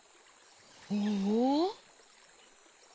おお。